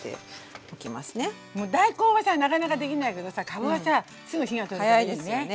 もう大根はさなかなかできないけどさかぶはさすぐ火が通るからいいね。